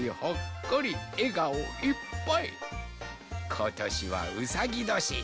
ことしはうさぎどし。